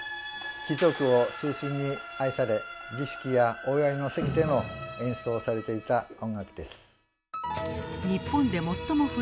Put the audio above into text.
貴族を中心に愛され儀式やお祝いの席でも演奏されていた音楽です。